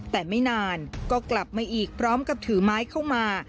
แต่ไม่นานก็กลับมาอีกพร้อมกับถือไม้เข้ามา